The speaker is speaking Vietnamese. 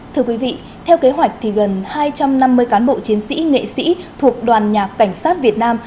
thưa quý vị theo kế hoạch thì gần hai trăm năm mươi cán bộ chiến sĩ nghệ sĩ thuộc đoàn nhạc cảnh sát việt nam